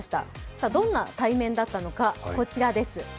さあ、どんな対面だったのかこちらです。